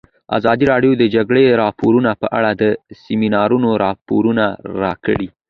ازادي راډیو د د جګړې راپورونه په اړه د سیمینارونو راپورونه ورکړي.